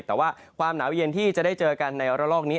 แต่ว่าความหนาวเย็นที่จะได้เจอกันในระลอกนี้